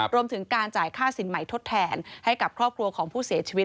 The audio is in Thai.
รวมถึงการจ่ายค่าสินใหม่ทดแทนให้กับครอบครัวของผู้เสียชีวิต